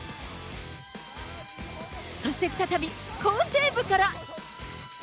そして再び、好セーブから。